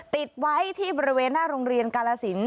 ติดไว้ที่บริเวณหน้าโรงเรียนกาลสิน